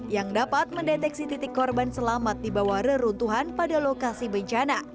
yang dapat mendeteksi titik korban selamat di bawah reruntuhan pada lokasi bencana